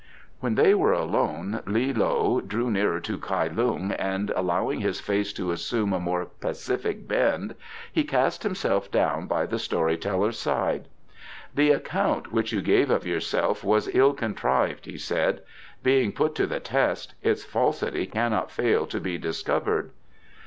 When they were alone, Li loe drew nearer to Kai Lung and, allowing his face to assume a more pacific bend, he cast himself down by the story teller's side. "The account which you gave of yourself was ill contrived," he said. "Being put to the test, its falsity cannot fail to be discovered."